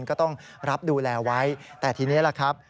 ก็ต้องรับดูแลไว้แต่ทีนี้ล่ะครับ